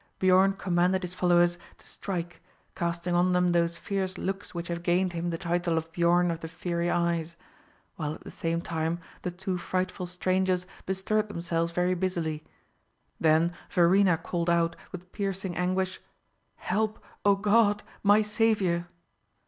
Biorn commanded his followers to strike, casting on them those fierce looks which have gained him the title of Biorn of the Fiery Eyes; while at the same time the two frightful strangers bestirred themselves very busily. Then Verena called out, with piercing anguish, 'Help, O God, my Saviour!